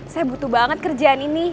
saya butuh banget kerjaan ini